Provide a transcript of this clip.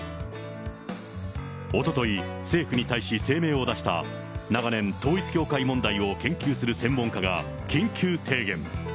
おととい、政府に対し声明を出した、長年、統一教会問題を研究する専門家が、緊急提言。